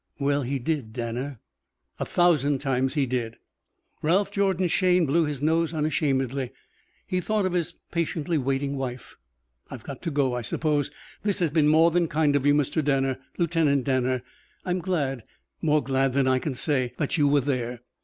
Well, he did, Danner." "A thousand times he did." Ralph Jordan Shayne blew his nose unashamedly. He thought of his patiently waiting wife. "I've got to go, I suppose. This has been more than kind of you, Mr. Danner Lieutenant Danner. I'm glad more glad than I can say that you were there.